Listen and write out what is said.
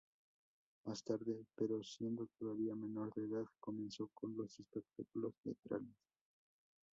Más tarde, pero siendo todavía menor de edad, comenzó con los espectáculos teatrales.